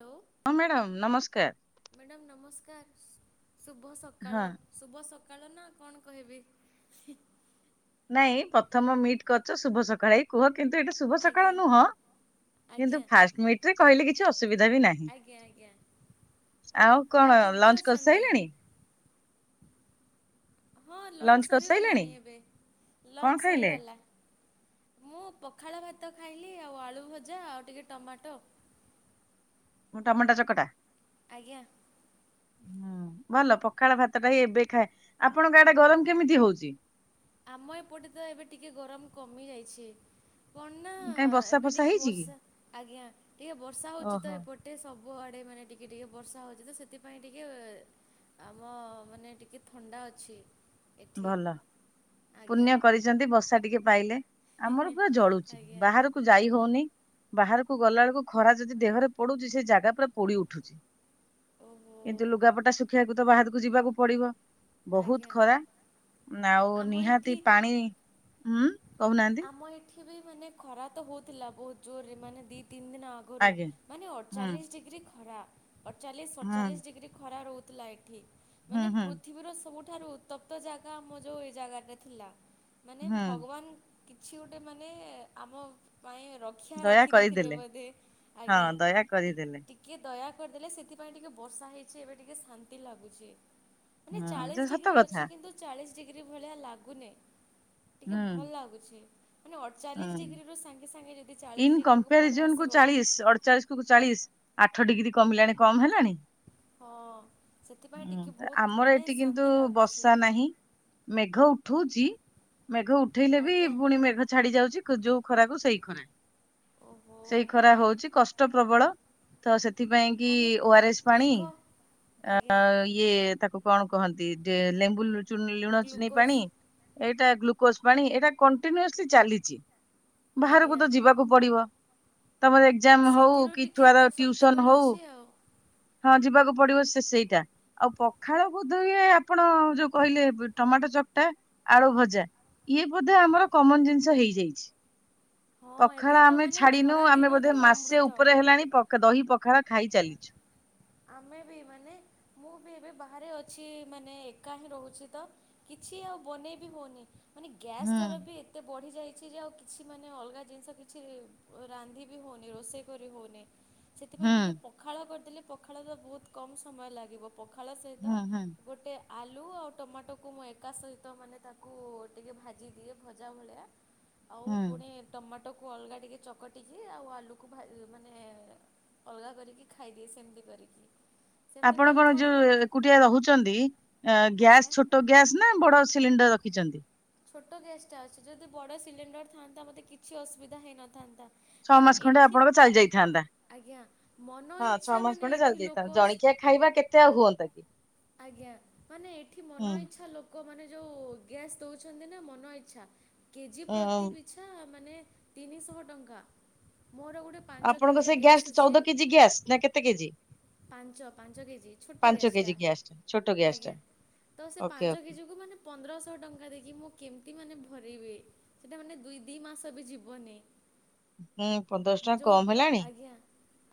Hello. ହଁ madam ନମସ୍କାର। Madam ନମସ୍କାର ଶୁଭ ହଁ। ସକାଳ। ଶୁଭ ସକାଳ ନା କଣ କହିବି? ନାଇଁ ପ୍ରଥମ ମିଟ୍ କରିଛ ଶୁଭ ସକାଳ କୁହ କିନ୍ତୁ ଏଇଟା ଶୁଭ ସକାଳ ଆଜ୍ଞା। ନୁହଁ କିନ୍ତୁ ଆଜ୍ଞା ଫାଷ୍ଟ ମିଟ ରେ କହିଲେ କିଛି ଅସୁବିଧା ବି ନାହିଁ। ଆଜ୍ଞା ଆଜ୍ଞା ଆଉ କଣ କେମିତି ଲଞ୍ଚ ଅଛନ୍ତି? କରିସାରିଲେଣି? ହଁ ଲଞ୍ଚ ସରିଗଲାଣି ଏବେ କଣ ଲଞ୍ଚ ଖାଇଲେ ସରିଗଲା। ମୁଁ ପଖାଳ ଭାତ ଖାଇଲି ଆଉ ଆଳୁ ଭଜା ଆଉ ଟିକେ ଟମାଟୋ। ମୁଁ ଟମାଟ ଚକଟା। ଆଜ୍ଞା। ହୁଁ ଭଲ ପଖାଳ ଭାତ ଟା ହ ଏବେ ଖାଏ ଆପଣଙ୍କା ଆଡ଼େ ଗରମ କେମିତି ହଉଛି? ଆମ ଏପଟେ ତ ଏବେ ଟିକେ ଗରମ କମିଯାଇଛି। କଣନା କାଇଁ ବର୍ଷା ଏବେ ଫର୍ଷା ଟିକେ ହେଇଛି କି ବର୍ଷା ଆଜ୍ଞା ଟିକେ ବର୍ଷା ହଉଛି ତ ଓହୋ ଏପଟ ଗଟେ ସବୁଆଡ଼େ ମାନେ ଟିକେ ଟିକେ ବର୍ଷା ହଉଛି ତ ସେଥିପାଇଁ ଟିକେ ଆମ ମାନେ ଟିକେ ଥଣ୍ଡା ଅଛି। ଏଠି। ଭଲ ଆଜ୍ଞା ପୁଣ୍ୟ କରିଛନ୍ତି ବସା ଟିକେ ପାଇଲେ। ଆମର ପୁରା ଜଳୁଛି ଆଜ୍ଞା ବାହାରକୁ ଯାଇ ହଉନି ବାହାରକୁ ଗଲା ବେଳକୁ ଖରା ଯଦି ଦେହରେ ପଡୁଛି ସେ ଜାଗା ପା ପୋଡି ଉଠୁଛି ଓହୋ କିନ୍ତୁ ଲୁଗାପଟା ଶୁଖେଇବାକୁ ତ ବାହାରକୁ ଯିବାକୁ ପଡିବ? ବହୁତ ଆଜ୍ଞା ଖରା ଆଉ ଆମ ନିହାତି ଏଠି ପାଣି ହୁଁ। କହୁନାହାନ୍ତି ଆମ ଏଠି ବି ମାନେ ଖରା ତ ହଉଥିଲା ବହୁତ ଜୋରରେ ମାନେ ଦି ତିନି ଦିନ ଆ ଗରୁ ଆଜ୍ଞା ମାନେ ହୁଁ ଅଠଚାଲିଶ ଡିଗ୍ରୀ ଖରା। ଅଠଚାଳିଶ ହୁଁ ସତଚାଳିଶ ଡିଗ୍ରୀ ଖରା ରହୁଥିଲା ଏଠି ହୁଁ ମାନେ ପୃ ହୁଁ ପୃଥିବୀର ସବୁଠାରୁ ଉତ୍ତପ୍ତ ଜାଗା ଆମ ଯେଉଁ ଏ ଜାଗାରେ ଥିଲା ମାନେ ହୁଁ ଭଗବାନ କିଛି ଗୋଟେ ମାନେ ଆମ ପାଇଁ ର ରଖିଆ ଦୟା ରଖିଦେଇଥିଲେ କରିଦେଲେ ବୋଧେ ହଁ ଆଜ୍ଞା। ଦୟା କରିଦେଲେ ଟିକେଦୟା କରିଦେଲେ ସେଥିପାଇଁ ଟିକିେ ବର୍ଷା ହେଇଛି ଏବେ ଟିକିେ ଶାନ୍ତି ଲାଗୁଛି। ମାନେ ହଁ ଯେ ଚାଳିଶ ସତ ଡିଗ୍ରୀ କଥା ଅଛି କିନ୍ତୁ। ଚାଳିଶ ଡିଗ୍ରୀ ଭଳିଆ ଲାଗୁନି ଟିକେ ହୁଁ ଭଲ ଲାଗୁଛି। ମାନେ ଅଠଚାଳିଶ ହୁଁ ଡିଗ୍ରୀରୁ ସାଙ୍ଗେ ସାଙ୍ଗେ ଯଦି ଚାଳିଶ ଡିଗ୍ରୀକୁ ପଳେଇ ଆସିବ। ଅଠଚାଳିଶ କୁ ଚାଳିଶ ଆଠ ଡିଗ୍ରୀ କମିଲାଣି କମ ହେଲାଣି। ହଁ ସେଥିପାଇଁ ହୁଁ ଟିକେ ତ ବହୁତ ଆମର ମାନେ ଏଠି କିନ୍ତୁ ଶାନ୍ତି ଲାଗୁଛି। ବର୍ଷା ନାହିଁ। ମେଘ ଉଠଉଛି ମେଘ ଉଠେଇଲେ ବି ଆଜ୍ଞା ପୁଣି ମେଘ ଛାଡି ଯାଉଛି ଯୋଉ ଖରାକୁ ସେଇ ଖରା ଓହୋ ସେଇ ଖରା ହଉଛି କଷ୍ଟ ପ୍ରବଳ। ତ ସେଥିପାଇଁ କି ଆନେ ଓ ଆର ଏସ୍ ପାଣି। ମେଘ ଆ ଆଜ୍ଞା ଇଏ ତାକୁ କଣ କହନ୍ତି ଡେ ଲେମ୍ବୁ ଲୁ ଚୁ ଲୁଣ, ଚିନି ଗ୍ଲୁକୋଜ୍ ପାଣି। ଏଇଟା ଗ୍ଲୁକୋଜ ପାଣି ଏଇଟା କଣ୍ଟିନ୍ୟୁସଲି ଚାଲିଛି। ବାହାରକୁ ଆଜ୍ଞା ତ ଯିବାକୁ ପଡିବ। ତମର ଏକ୍ସାମ ହଉ ସେଥିରୁ କି ଟିକେ ଛୁଆର ତ ଶକ୍ତି ଟ୍ୟୁସନ ହଉ। ମିଳୁଛି ଆଉ। ହଁ ଯିବାକୁ ପଡିବ ସେ ସେଇଟା ଆଉ ପଖାଳ ବୋଧହୁଏ। ଆପଣ ଯୋଉ କହିଲେ ଟମାଟୋ ଚକଟା, ଆଳୁ ଭଜା ଇଏ ବୋଧେ ଆମର। କମନ ଜିନିଷ ହେଇଯାଇଛି। ହଁ ଏବେ ପଖାଳ ତ ଆମେ ମାନେ ଛାଡିିନୁ ଖରା ଆମେ ବୋଧେ ଦିନର ମାସେ ଅମୃତ। ଉପରେ ହେଲାଣି ପଖ ଦହି ପଖାଳ ଖାଇ ଚାଲିଚୁ। ଆମେ ବି ମାନେ ମୁଁ ବି ଏବେ ବାହାରେ ଅଛି ମାନେ ଏକା ହିଁ ରହୁଛି ତ କିଛି ଆଉ ବନେଇବି ହଉନି ମାନେ ଗ୍ୟାସ୍ ହୁଁ ଦର ବି ଏତେ ବଢ଼ିଯାଇଛି ଯେ ଆଉ କିଛି ମାନେ ଅଲଗା ଜିନିଷ କିଛି ଓ ରନ୍ଧି ବି ହେଉନି ରୋଷେଇ କରି ହେଉନି। ସେଥିପାଇଁ ଟିକେ ହୁଁ ପଖାଳ କରିଦେଲେ ପଖାଳ ତ ବହୁତ କମ ସମୟ ଲାଗିବ। ପଖାଳ ସହିତ ହୁଁ ହୁଁ ଗୋଟେ ଆଲୁ ଆଉ ଟମାଟୋକୁ ମୁଁ ଏକା ସହିତ ମାନେ ତାକୁ ଟିକେ ଭାଜିଦିଏ ଭଜା ଭଳିଆ। ଆଉ ହୁଁ ପୁଣି ଟମାଟୋକୁ ଅଲଗା ଟିକେ ଚକଟିକି ଆଉ ଆଳୁକୁ ଭା ମାନେ ଅଲଗା କରିକି ଖାଇଦିଏ ସେମିତି କରିକି। ସେମିତି ଆପଣ କଲେ କଣ ଯୋଉ ନା ଏକୁଟିଆ ରହୁଛନ୍ତି ଆଜ୍ଞା ଗ୍ୟାସ ଛୋଟ ଗ୍ୟାସ୍ ନା ବଡ଼ ସିଲିଣ୍ଡର ରଖିଛନ୍ତି। ଛୋଟ ଗ୍ୟାସ୍ ଟା ଅଛି। ଯଦି ବଡ଼ ସିଲିଣ୍ଡର ଥାଆନ୍ତା ମୋତେ କିଛି ଅସୁବିଧା ହେଇନଥାନ୍ତା। ଛଅ ମାନେ ମାସ ଖଣ୍ଡେ ଏଠି ଆପଣଙ୍କ ଚାଲି ଯାଇଥାନ୍ତା। ଆଜ୍ଞା ମନ ହଁ ଛଅ ଇଚ୍ଛା ମାସ ମାନେ ଖଣ୍ଡେ ଚାଲି ଏଠି ଯାଇଥାନ୍ତା ଲୋକ ଜଣିକିଆ ଖାଇବା କେତେ ଆଉ ହୁଅନ୍ତା କି? ଆଜ୍ଞା ମାନେ ଏଠି ମନ ହୁଁ। ଇଚ୍ଛା ଲୋକ ଲୋକ ମାନେ ଯୋଉ ଗ୍ୟାସ୍ ଦଉଛନ୍ତି ନା ମନ ଇଛା କେଜି ପ୍ରତି ଉଁ ବି ପିଛା ମାନେ ତିନିଶହ ଟଙ୍କା। ମୋର ଗୋଟେ ପାଞ୍ଚ ଆପଣଙ୍କ କେଜିଆ ସେ ଗ୍ୟାସ୍ ଗ୍ୟାସଟି ଅଛି। ଚଉଦ କେଜି ଗ୍ୟାସ୍ ନା କେତେ କେଜି? ପାଞ୍ଚ ପାଞ୍ଚ କେଜି ଛୋଟ ପାଞ୍ଚ ଗ୍ୟାସ କେଜି ଟା। ଗ୍ୟାସ୍ ଛୋଟ ଗ୍ୟାସ୍ ଟା ଆଜ୍ଞା ତ ସେ ଓକେ ପାଞ୍ଚ ଓକେ। କେଜିକୁ ମାନେ ପନ୍ଦରଶହ ଟଙ୍କା ଦେଇକି ମୁଁ କେମିତି ମାନେ ଭରିବି। ସେଟା ମାନେ ଦୁଇ ଦି ମାସ ବି ଯିବନି। ହୁଁ ଦଶ ଟଙ୍କା ଯୋଉ କମ ହେଲାଣି ଆଜ୍ଞା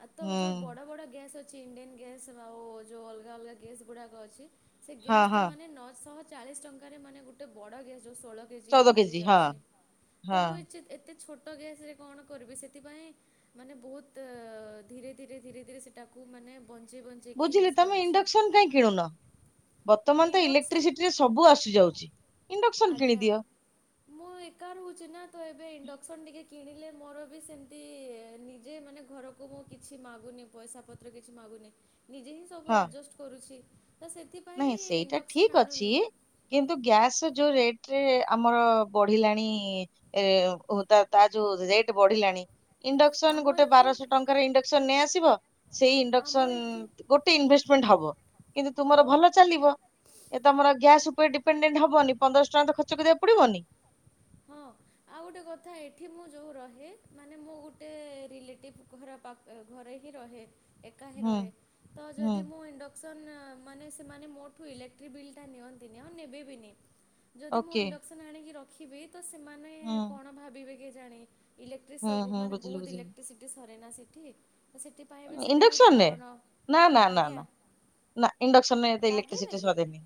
ଆଉ ତ ହୁଁ ଯୋଉ ବଡ ବଡ ଗ୍ୟାସ ଅଛି। ଛି ଇଣ୍ଡିଆନ ଗ୍ୟାସ୍ ଆଉ ଯୋ ଅଲଗା ଅଲଗା ଗ୍ୟାସ୍ ଗୁଡାକ ଅଛି ସେଇ ହଁ ଗ୍ୟାସ୍ ତ ହଁ ମାନେ ନଅ ଶହ ଚାଳିଶ ଟଙ୍କାରେ ମାନେ ଗୋଟେ ବଡ ଗ୍ୟାସ ଯୋଉ ଷୋଳ କେଜି ଚଉଦ ମିଳି ହଁ। ଯାଉଛି ତ ହଁ ମୁଁ ଏଚିତ୍ ଏତେ ଛୋଟ ଗ୍ୟାସ୍ ରେ କଣ କରିବି ସେଥିପାଇଁ ମାନେ ବହୁତ ଧୀରେ ଧୀରେ ଧୀରେ ଧୀରେ ସେଟାକୁ ମାନେ ବଞ୍ଚେଇ ବ ବୁଝିଲି ତମେ ଇଣ୍ଡକ୍ସନ କାଇଁ କିଣୁନ? ବର୍ତ୍ତମାନ ତ ଇଣ୍ଡକ୍ସନ୍ ଇଲେକ୍ଟ୍ରିସିଟି ରେ ସବୁ ଆସିଯାଉଛି ଇଣ୍ଡକ୍ସନ ଆଜ୍ଞା। କିଣିଦିଅ। ମୁଁ ଏକା ରହୁଛି ନା ତ ଏବେ ଇଣ୍ଡକ୍ସନ ଟିକେ କିଣିଲେ ମୋର ବି ସେମିତି ନିଜେ ମାନେ ଘରକୁ କୁ କିଛି ମାଗୁନି ପଇସା ପତ୍ର କିଛି ମାଗୁନି ନିଜେ ହିଁ ସବୁ ଆଡଜଷ୍ଟ କରୁଛି ତ ସେଥିପାଇଁ ନାହିଁ ସେଇଟା ଇଣ୍ଡକ୍ସନ୍ ଠିକ୍ ଅଛି। ଆଣୁନି କିନ୍ତୁ ଗ୍ୟାସ୍ ରେ ଯୋଉ ରେଟ୍ ରେ ଆମର ବଢିଲାଣି ଏ ଉଦାର ତାର ଯୋଉ ରେଟ୍ ବଢିଲାଣି, ଇଣ୍ଡକ୍ସନ୍ ଆମ ଗୋଟେ ଏଠି ବାରଶହ ଟଙ୍କାର ଇଣ୍ଡକ୍ସନ୍ ନେଇ ଆସିବ ସେଇ ଆମ ଇଣ୍ଡକ୍ସନ୍ ଏଠି ଗୋଟେ ଇନଭେଷ୍ଟମେଣ୍ଟ ହବ କିନ୍ତୁ ତୁମର ହଁ ଭଲ ଚାଲିବ ଏ ତମର ଗ୍ୟାସ୍ ଉପରେ ଡିପେଣ୍ଡେଣ୍ଟ ହବନି ପନ୍ଦରଶହ ଟଙ୍କା ତ ଖର୍ଚ୍ଚ କରିବାକୁ ପଡିବନି। ହଁ। ଆଉ ଗୋଟେ କଥା ଏଠି ମୁଁ ଯୋଉ ରହେ ମାନେ ମୁଁ ଗୋଟେ ରିଲେଟିଭ ଘର ପା ଘରେ ହିଁ ରହେ ଏକା ହିଁ ହୁଁ ରହେ। ତ ହୁଁ ଯଦି ମୁଁ ଇଣ୍ଡକ୍ ସନ୍ ମାନେ ସେମାନେ ମୋଠୁ ଇଲେକ୍ଟ୍ରିକ ବିଲ୍ ଟା ନିଅନ୍ତିନି ଆଉ ନେବେ ବିନି। ଯଦି ମୁଁ ଓକେ ଇଣ୍ଡକ୍ସନ୍ ଆଣିକି ରଖିବି ତ ସେମାନେ ହୁଁ କଣ ଭାବିବେ କେଜାଣି। ଇଲେକ୍ଟ୍ରି ହୁଁ ସବୁ ହୁଁ ମାନେ ବୁଝିଲି ବହୁତ ବୁଝିଲି ଇଲେକ୍ଟ୍ରିସିଟି ସରେନା ସେଠି ତ ସେଠି। ଇଣ୍ଡକ୍ସନରେ ନା ନା ନା ଆଜ୍ଞା ନା। ନା ଇଣ୍ଡକ୍ସନ ଏତେ ଲାଗେନି ଇଲେକ୍ଟ୍ରିସିଟି କି? ସରେନି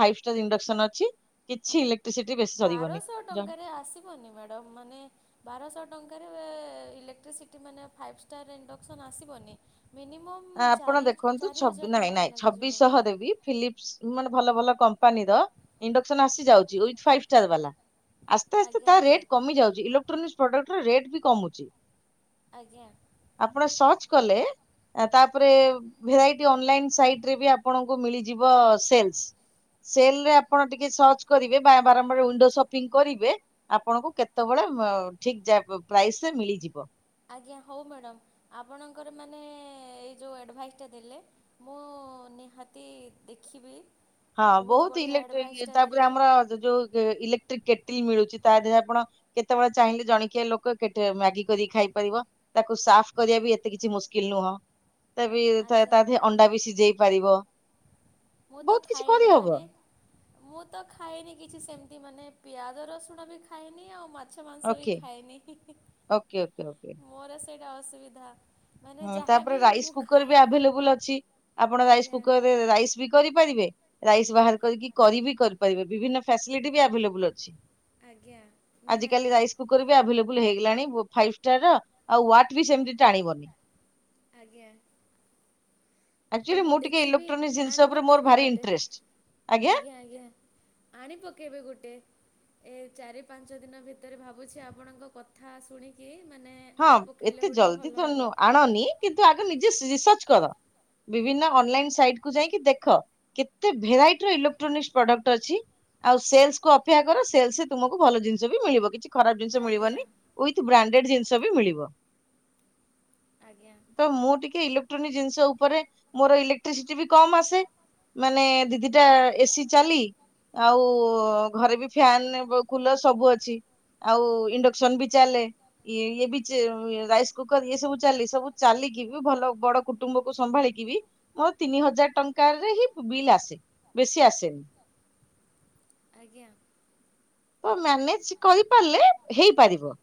ଫାଇଭ୍ ଷ୍ଟାର ଇଣ୍ଡକ୍ସନ ଅଛି କିଛି ଇଲେ ବାରଶହ ଟଙ୍କାରେ ଆସିବନି ମ୍ୟାଡ଼ମ୍ ମାନେ ବାରଶହ ଟଙ୍କାରେ ଇଲେକ୍ଟ୍ରିସିଟି ମାନେ ଫାଇଭ୍ ଷ୍ଟାର ଇଣ୍ଡକ୍ସନ୍ ଆସିବନି? ମିନିମମ୍। ଆପଣ ଚାରି ଦେଖନ୍ତୁ ଚାରି ହଜାର ଛବି ନାଇଁ ଟଙ୍କା ନାଇଁ ଲାଗିଯିବ। ଛବିଶହ ଦେଇକି। ଫିଲିପସ୍ ମାନେ ଭଲ ଭଲ କମ୍ପାନୀର ଇଣ୍ଡକ୍ସନ ଆସିଯାଉଛି ୱିଥ ଫାଇଭ୍ ଷ୍ଟାର ବାଲା। ଆସ୍ତେ ଆସ୍ତେ ଆଜ୍ଞା ତା ଆଜ୍ଞା ରେଟ୍ କମି ଯାଉଛି ଇଲେକ୍ଟ୍ରୋନିକ୍ସ ପ୍ରଡକ୍ଟର ରେଟ୍ ବି କମୁଛି। ଆଜ୍ଞା। ଆପଣ ସର୍ଚ୍ଚ କଲେ। ତାପରେ ଭେରାଇଟି ଅନଲାଇନ ସାଇଟ ରେ ବି ଆପଣଙ୍କୁ ମିଳିଯିବ ସେଲସ୍। ସେଲ୍ ରେ ଆପଣ ଟିକେ ସର୍ଚ୍ଚ କରିବେ ବା ବାରମ୍ବାର ୱିଣ୍ଡୋ ସପିଙ୍ଗ କରିବେ। ଆପଣଙ୍କୁ କେତେବେଳେ ମ ଠିକ ଜା ପ୍ରାଇସରେ ମିଳିଯିବ। ଆଜ୍ଞା ହଉ ମ୍ୟାଡ଼ମ୍ ଆପଣଙ୍କର ମାନେ ଏଇ ଯୋଉ ଆଡ଼ଭାଇଜ୍ଜ୍ ଟା ଦେଲେ। ମୁଁ ନିହାତି ଦେଖିବି। ହଁ ବହୁତ ବଢ଼ିଆ ଇଲେକ୍ଟ୍ରି ଆଡ଼ଭାଇସ୍ଟା ତାପରେ ଦେଲେ ଆମର ଯୋଉ ଇଲେକ୍ଟ୍ରିକ କେଟିଲ୍ ମିଳୁଛି ତା ଦେହରେ ଆପଣ। କେତେବେଳେ ଚାହିଁଲେ ଜଣ କିିଆ ଲୋକ କେତେ ମ୍ୟାଗି କରିକି ଖାଇପାରିବ। ତାକୁ ସାଫ୍ କରିବା ବି ଏତେ କିଛି ମୁସ୍କିଲ୍ ନୁହଁ। ତ ବି ତା ଆଜ୍ଞା ଦେହରେ ଅଣ୍ଡା ବି ସିଝେଇ ପାରିବ। ମୁଁ ତ ବହୁତ କିଛି ଖାଏନି କରିହବ ମାନେ। ମୁଁ ତ ଖାଏନି କିଛି ସେମିତି ମାନେ ପିଆଜ ରସୁଣ ବି ଖାଏନି ଆଉ ମା ମାଛ ମାଂସ ବି ଓକେ ଖାଏନି ହିଁ ହିଁ ଓକେ ଓକେ ଓକେ। ମୋର ସେଇଟା ଅସୁବିଧା। ମାନେ ହୁଁ ତାପରେ ଯାହାବି ରାଇସ୍ ମୁଁ କୁକର୍ ଖାଏ ବି ନା ଆଭେଲେବୁଲ୍ ଅଛି ଆପଣ ରାଇସ୍ ଆଜ୍ଞା କୁକରରେ ରାଇସ୍ ବି କରିପାରିବେ ରାଇସ୍ ବାହାର କରିକି କରି ବି କରିପାରିବେ ବିଭିନ୍ନ ଫ୍ୟାସିଲିଟି ବି ଏଭେଲେବୁଲ। ବୁଲ ଅଛି ଆଜ୍ଞା ଆଜିକାଲି ନିହାତି ରାଇସକୁ ଆଭେଲେବୁଲ ହେଇଗଲାଣି ଫାଇଷ୍ଟାରର ଆଉ ୱାଟ ବି ସେମିତି ଟାଣିବନି। ଆଜ୍ଞା। ତ ଆକ୍ଚୁଆଲି ମୁଁ ଟିକେ ଦେଖିବି ଇଲେକ୍ଟ୍ରୋନିକ ଜିନିଷ ଆଣି ଉପରେ ମୋର ପକେଇବି ଭାରି ଗୋଟେ ଇଣ୍ଟରେଷ୍ଟ। ଆଜ୍ଞା ଆଜ୍ଞା। ଆଣି ପକାଇବେ ଗୋଟେ ଏ ଚାରି ପାଞ୍ଚ ଦିନ ଭିତରେ ଭାବୁଛି ଆପଣଙ୍କ କଥା କଥା ଶୁଣିକି ମାନେ ଆଣି ପକେଇଲେ ଗୋଟେ ଭଲ ହବ। ଆାଣନି। କିନ୍ତୁ ଆଗ ନିଜେ ରିସର୍ଚ୍ଚ କର ବିଭିନ୍ନ ଅନଲାଇନ ସାଇଟକୁ ଯାଇକି ଦେଖ। କେତେ ଭେରାଇଟିର ଇଲେକ୍ଟ୍ରୋନିକ୍ସ ପ୍ରଡକ୍ଟ ଅଛି। ଆଉ ସେଲ୍ସକୁୁ ଅପେକ୍ଷା କର ସେଲ୍ସ ତୁମକୁ ଭଲ ଜିନିଷ ବି ମିଳିବ କିଛି ଖରାପ ଜିନିଷ ଆଜ୍ଞା ମିଳିବନି ଉଇଥ ବ୍ରାଣ୍ଡେଡ଼ ଜିନିଷ ବି ମିଳିବ। ଆଜ୍ଞା। ତ ମୁଁ ଟିକେ ଇଲେକ୍ଟ୍ରୋନିକ ଜିନିଷ ଉପରେ ମୋର ଇଲେକ୍ଟ୍ରିସିଟି ବି କମ ଆସେ। ମାନେ ଦିଦିଟା ଏସିି ଚାଲି ଆଉ ଘରେ ବି ଫ୍ୟାନ କୁଲର ସବୁ ଅଛି। ଆଉ ଇଣ୍ଡକ୍ସନ ବି ଚାଲେ। ଇ ଇଏ ବି ରାଇସ୍ କୁକର ଇଏ ସବୁ ଚାଲେ ସବୁ ଚାଲିକି ବି ଭଲ ବଡ କୁଟୁମ୍ବ କୁ ସମ୍ଭାଳିକି ବି ମୋର ତିନି ହଜାରେ ଟଙ୍କାରେ ହିଁ ବିଲ୍ ଆସେ ବେଶୀ ଆସେନି। ଆଜ୍ଞା। ତ ମ୍ୟାନେଜ କରିପାରିଲେ ହେଇପାରିବ।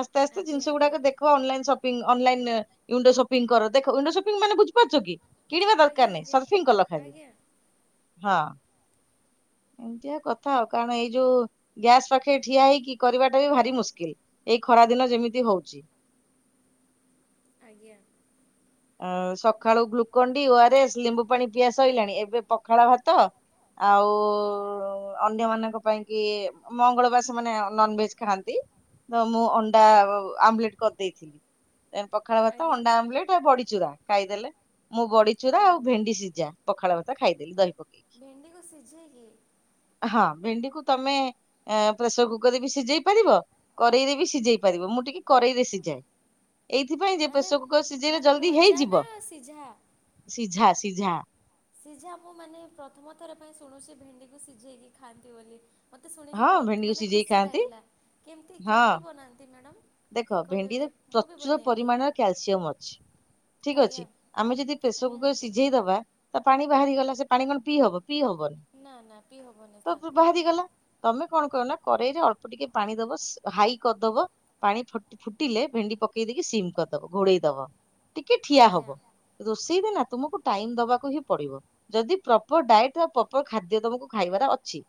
ଆସ୍ତେ ଆସ୍ତେ ଜିନିଷ ଆଜ୍ଞା ଗୁଡାକ ଦେଖ online shop online window shopping କର ଦେଖ ଉଇଣ୍ଡୋସପିଙ୍ଗ ବୁଝିପାରୁଛ କି? କିଣିବା ଆଜ୍ଞା ଦରକାର ଆଜ୍ଞା ନାହିଁ ଆଜ୍ଞା ସରଫିଙ୍ଗ କଲ ଖାଲି। ଆଜ୍ଞା ହଁ ଏମିତିଆ କଥା ଆଉ କାରଣ ଏଇ ଯୋଉ ଗ୍ୟାସ୍ ପାଖେ ଠିଆ ହେଇକି କରିବାଟା ବି ଭାରି ମୁସ୍କିଲ ଏଇ ଖରା ଦିନ ଯେମିତି ହୋଉଛି। ଆଜ୍ଞା। ଆ ସକାଳୁ Glucon D O R S ଲେମ୍ବୁ ପାଣି ପିଆ ସଇିଲାଣି ଏବେ ପଖାଳ ଭାତ। ଆଉ ଅନ୍ୟମାନଙ୍କ ପାଇଁ କି ମଙ୍ଗଳବାର ସେମାନେ ନନଭେଜ ଖାଆନ୍ତି, ତ ମୁଁ ଅଣ୍ଡା ଆମଲେଟ କରିଦେଇଥିଲି। ସେ ପଖାଳ ଭାତ ଆଜ୍ଞା ଅଣ୍ଡା ଆମ୍ଲେଟ ଆଉ ବଡିଚୁରା ଖାଇଦେଲେ, ମୁଁ ବଡିଚୁରା ଆଉ ଓହୋ ଭେଣ୍ଡି ସିଝା। ପଖାଳ ଭାତ ଖାଇଦେଲି ଦହି ପକେଇକି। ଭେଣ୍ଡିକୁ ସିଝେଇ କିି? ହଁ ଭେଣ୍ଡିକୁ ତମେ ପ୍ରେସର କୁକରରେ ବି ସିଝେଇ ପାରିବ କରେଇରେ ବି ସିଝେଇ ପାରିବ ମୁଁ ଟିକେ କରେଇରେ ସିଝାଏ। ଏଇଥିପାଇଁ ଯେ ମାନେ ପ୍ରେସର କୁକର ସିଝେଇଲେ ମାନେ ଜଲ୍ଦି ଭଜା ନା ହେଇଯିବ। ସିଝା? ସିଝା ସିଝା। ସିଝା ମୁଁ ମାନେ ପ୍ରଥମ ଥର ପାଇଁ ଶୁଣୁଛି ଭେଣ୍ଡିକୁ ସିଝେଇକି ଖାଆନ୍ତି ବୋଲି। ମୋତେ ଶୁଣିକି ହଁ ବୋହୁତ ଭେଣ୍ଡିକୁ ମାନେ ସିଝେଇ ଖୁସି ଖାଆନ୍ତି ଲାଗିଲା କେମିତି ହଁ କେମିତି ବନାନ୍ତି ମ୍ୟାଡ଼ମ୍? ଟିକେ ଦେଖ କହିବେ ଭେଣ୍ଡିରେ ମୁଁ ବି ପ୍ରଚୁର ବନେଇବି ପରିମାଣର କ୍ୟାଲସିୟମ ଅଛି। ଠିକ ଅଛି ଆଜ୍ଞା। ଆମେ ଯଦି ପ୍ରେସର କୁକରରେ ନିହାତି ସିଝେଇଦବା ତା ପାଣି ବାହାରିଗଲା ସେ ପାଣି କଣ ପିଇହବ ପିଇ ହବନି ନା ନା ପିଇ ହବନି ତ ତାକୁ ବାହାରିଗଲା। ତମେ କଣ କରବନା କରେଇରେ ଅଳ୍ପ ଟିକେ ପାଣି ଦବ ହାଇ କରିଦବ। ପାଣି ଫଟ ଫୁଟିଲେ ଭେଣ୍ଡି ପକେଇ ଦେଇକି ସିମ୍ କରିଦବ ଘୋଡେଇ ଦବ। ଟିକେ ଠିଆ ଆଜ୍ଞା ହବ, ରୋଷେଇ ରେ ନା ତୁମକୁ ଟାଇମ ଦବାକୁ ହିଁ ପଡିବ ଯଦି ପ୍ର ପ୍ରପର ଡାଏଟ୍ ପ୍ରପର ଖାଦ୍ୟ ତମକୁ ଖାଇବାର ଅଛି।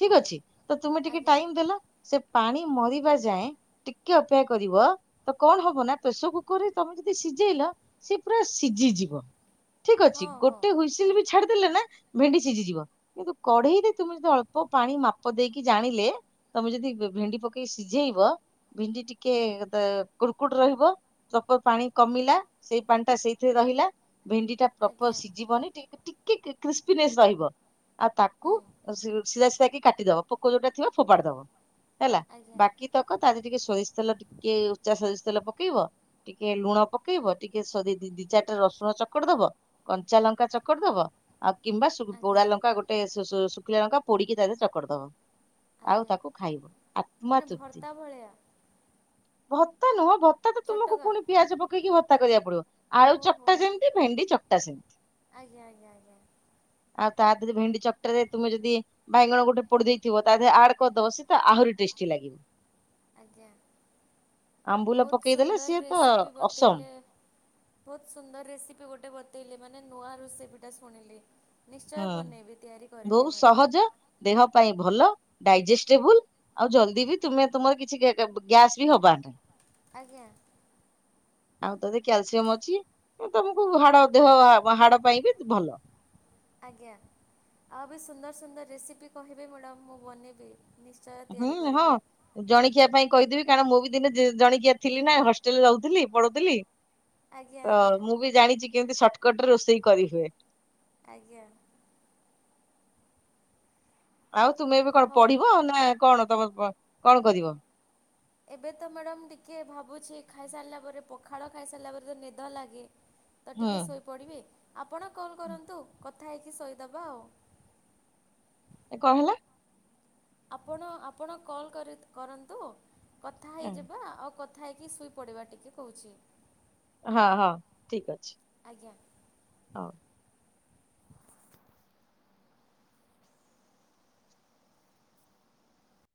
ଠିକ ହଉ। ଅଛି ତ ତୁମେ ଟିକେ ଆଜ୍ଞା ଟାଇମ ଦେଲ ସେ ପାଣି ମରିବା ଯାଏଁ ଟିକେ ଅପେକ୍ଷା କରିବ ତ କଣ ହବ ନା ପ୍ରେସର କୁକର ରେ ତମେ ଯଦି ସିଝେଇଲ ସେ ପୁରା ସିଝିଯିବ, ଠିକ ଅଛି, ହଁ ହଁ ଗୋଟେ ହଁ ହୁଇସିଲ ବି ଛାଡ ଦେଲେ ନା ଭେଣ୍ଡି ସିଝିଯିବ, କିନ୍ତୁ କଢେଇରେ ତୁମେ ଯଦି ଅଳ୍ପ ଳ୍ପ ମାପ ପାଣି ମାପ ଦେଇକି ଜାଣିଲେ ତମେ ଯଦି ଭେଣ୍ଡି ପକେଇକି ସିଝେଇବ ଭେଣ୍ଡି ଟିକେ କୁଡ଼କୁଟ ରହିବ। [unintelligible] ପାଣି କମିଲା ସେଇ ପାଣି ଟା ସେଇଥିରେ ରହିଲା ଭେଣ୍ଡି ପ୍ରପର ଆଜ୍ଞା ସିଝିବନି ଟେ ଟିକେ କ୍ରିସ୍ପିନେସ ରହିବ ଆଉ ତାକୁ ହୁଁ ସିଲ୍ ଶିଳା ଶିଳା କି କାଟିଦବ ପୋକ ଯୋଉଟା ଥିବ ଫୋପାଡି ଦବ ହେଲା ଆଜ୍ଞା ବାକି ତକ ତାର ଟିକେ ସୋରିଷ ତେଲ ଟିକେ ଉଚା ସୋରିଷ ତେଲ ପକେଇବ। ଟିକେ ଲୁଣ ପକେଇବ ଟିକେ ସ ଦି ଚାରିଟା ରସୁଣ ଚକଟି ବ ଦବ। କଞ୍ଚା ଲଙ୍କା ଚକଟି ଦବ। ଆଉ କିମ୍ବା ପୋଡା ଆଜ୍ଞା ଲଙ୍କା ଗୋଟେ [unintelligible] ଶୁଖିଲା ଲଙ୍କା ପୋଡିକି ତାରେ ଚକଟିଦବ। ଆଉ ଆଜ୍ଞା ତାକୁ ଖାଇବ ଆତ୍ମା ମାନେ ତୃପ୍ତି। ଭର୍ତ୍ତା ଭଳିଆ ଭତ୍ତା ନୁହଁ ଭତ୍ [unintelligible] ତୁମକୁ ଚଟକା ପୁଣି ପିଆଜ ପକେଇକି ଭତ୍ତା କରିବାକୁ ପଡିବନି, ଆଳୁ ଓହୋ ଚକଟା ଯେମିତି ଭେଣ୍ଡି ଚକଟା ସେମିତି। ଆଜ୍ଞା ଆଜ୍ଞା ଆଞା। ଆଉ ତା ଦେହରେ ଭେଣ୍ଡି ଚକଟରେ ତୁମେ ଯଦି ବାଇଗଣ ଗୋଟେ ପୋଡି ଦେଇେଇଥିବ ତା ଦେହରେ ଆଡ କରିଦବ ସିଏ ତ ଆହୁରି ଟେଷ୍ଟି ଲାଗିବ। ଆଜ୍ଞା ଆମ୍ବୁଲ ବହୁତ ପକେଇଦେଲେ ସିଏ ସୁନ୍ଦର ତ ରେସିପି ଅସମ୍ ବତେଇଲେ। ବହୁତ ସୁନ୍ଦର ରେସିପି ଗୋଟେ ବତେଇଲେ ମାନେ ନୂଆ ରେସିପିଟା ଶୁଣିଲି। ନିଶ୍ଚୟ ହୁଁ। ବନେଇବି ତିଆରି କରିବି ବହୁତ ମ୍ୟାଡ଼ାମ୍। ସହଜ ଦେହ ପାଇଁ ଭଲ ଡାଇଜେଷ୍ଟେବୁଲ। ଆଉ ଜଲଦି ବି ତମେ ତମର କିଛି ଗ୍ୟାସ୍ ବି ହବାନ। ଆଜ୍ଞା। ଆଉ ତଦି କ୍ୟାଲସିୟମ ଅଛି ତମକୁ ହାଡ ଦେହ ହାଡ ପାଇଁ ବି ଭଲ। ଆଜ୍ଞା ଆଉ ବି ସୁନ୍ଦର ସୁନ୍ଦର ରେସିପି କହିବେ ମ୍ୟାଡ଼ାମ୍ ମୁଁ ବନେଇବି। ନିଶ୍ଚୟ। ତିଆରି ହୁଁ ହଁ। କରିବି। ଜଣିକିଆ ପାଇଁ କହିଦେବି କାରଣ ମୁଁ ବି ଦିନେ ଜଣିକିଆ ଥିଲି ନା ହଷ୍ଟେଲରେ ରହୁଥିଲି ପଢ଼ୁଥିଲି। ଆଜ୍ଞା ତ ଆଜ୍ଞା ମୁଁ ବି ଜାଣିଛି କେମିତି ସର୍ଟକଟ ରେ ରୋଷେଇ କରିହୁଏ। ଆଜ୍ଞା। ଆଉ ତୁମେ ଏବେ କଣ ହଉ। ପଢିବ ନା କଣ ତମ କଣ କରିବ। ଏବେ ତ ମ୍ୟାଡାମ ଟିକେ ଭାବୁଛି ଖାଇସାରିଲା ପରେ ପଖାଳ ଖାଇସାରିଲା ପରେ ତ ନିଦ ଲାଗେ। ତ ହୁଁ ଟିକେ ଶୋଇପଡ଼ିବି ଆପଣ କଲ୍ କରନ୍ତୁ କଥା ହେଇକି ଶୋଇଦବା ଆଉ। କଣ ହେଲା। ଆପଣ ଆପଣ କଲ୍ କର କରନ୍ତୁ କଥା ହେଇଯିବା ଆଉ କଥା ହେଇକି ସୁଇପ ପଡ଼ିବା ଟିକେ କହୁଛି। ହଁ ହଁ ଠିକ ଅଛି। ଆଜ୍ଞା। ହଉ।